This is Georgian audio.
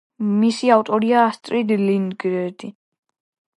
მისი ავტორია ასტრიდ ლინდგრენი.